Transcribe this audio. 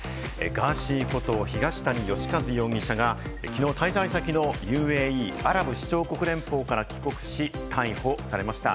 ガーシーこと東谷義和容疑者がきのう滞在先のＵＡＥ＝アラブ首長国連邦から帰国し、逮捕されました。